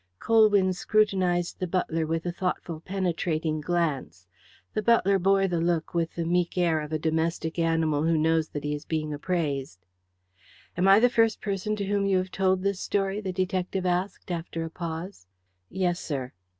Colwyn scrutinized the butler with a thoughtful penetrating glance. The butler bore the look with the meek air of a domestic animal who knows that he is being appraised. "Am I the first person to whom you have told this story?" the detective asked after a pause. "Yes, sir."